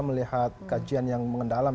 melihat kajian yang mengendalam